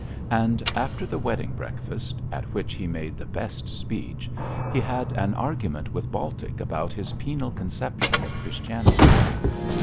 Also, after the wedding breakfast at which he made the best speech he had an argument with Baltic about his penal conception of Christianity.